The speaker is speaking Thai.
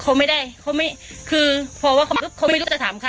เค้าไม่ได้ผมไม่รู้จะถามใคร